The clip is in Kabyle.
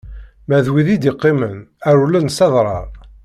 Ma d wid i d-iqqimen rewlen s adrar.